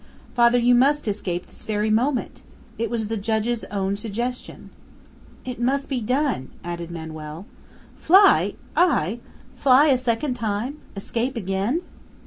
Father, you must escape this very moment! It was the judge's own suggestion!" "It must be done!" added Manoel. "Fly! I! Fly a second time! Escape again?"